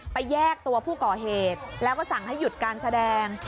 แยกตัวผู้ก่อเหตุแล้วก็สั่งให้หยุดการแสดง